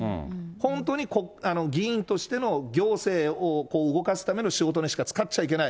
本当に議員としての行政を動かすための仕事にしか使っちゃいけない。